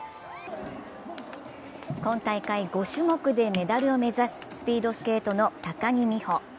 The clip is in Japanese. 今大会５種目でメダルを目指すスピードスケートの高木美帆。